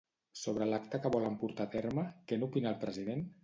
Sobre l'acte que volen portar a terme, què n'opina el president?